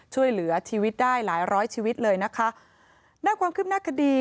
ช่วยเหลือชีวิตได้หลายร้อยชีวิตเลยนะคะด้านความคืบหน้าคดี